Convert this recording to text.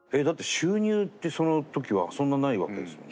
収入ってその時はそんなないわけですよね。